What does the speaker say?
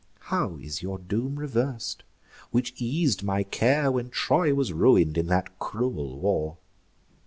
How is your doom revers'd, which eas'd my care When Troy was ruin'd in that cruel war?